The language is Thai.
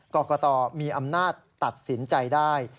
กรกตมีอำนาจตัดสินใจได้